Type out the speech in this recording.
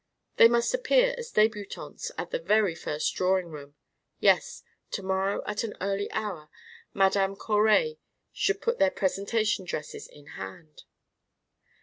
They must appear as débutantes at the very first drawing room. Yes, to morrow at an early hour, Madame Coray should put their presentation dresses in hand.